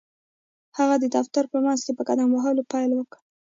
هغه د دفتر په منځ کې په قدم وهلو پيل وکړ.